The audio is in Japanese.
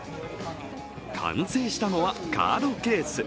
完成したのはカードケース。